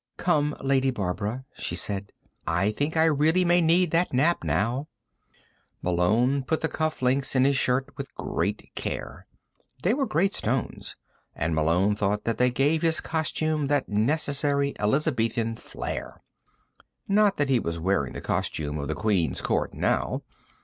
"Come, Lady Barbara," she said. "I think I really may need that nap, now." Malone put the cuff links in his shirt with great care. They were great stones, and Malone thought that they gave his costume that necessary Elizabethan flair. Not that he was wearing the costume of the Queen's Court now.